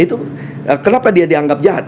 itu kenapa dia dianggap jahat